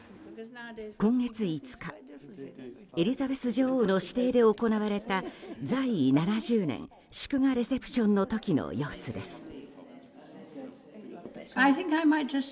今月５日、エリザベス女王の私邸で行われた在位７０年祝賀レセプションの時の様子です。